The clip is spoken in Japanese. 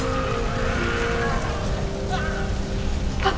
あっ！